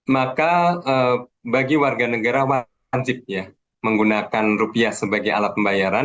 maka bagi warga negara wajib ya menggunakan rupiah sebagai alat pembayaran